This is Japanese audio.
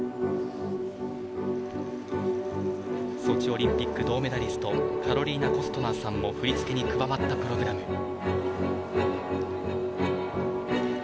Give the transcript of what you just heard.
ソチオリンピック銅メダリストカロリーナ・コストナーさんも振り付けに加わったプログラム。